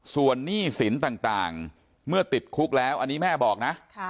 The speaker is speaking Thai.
ส่วนหนี้สินต่างเมื่อติดคุกแล้วอันนี้แม่บอกนะ